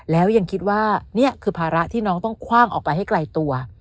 แล้วยังคิดว่านี่คือภาระที่น้องต้องคว่างออกไปให้ไกลตัว